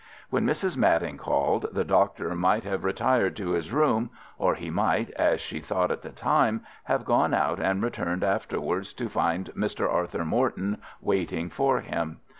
When Mrs. Madding called, the doctor might have retired to his room, or he might, as she thought at the time, have gone out and returned afterwards to find Mr. Arthur Morton waiting for him.